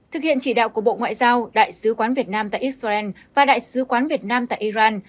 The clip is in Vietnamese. thực hiện chỉ đạo của bộ ngoại giao đại sứ quán việt nam tại israel và đại sứ quán việt nam tại iran